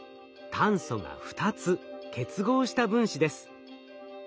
炭素が２つ結合した分子です。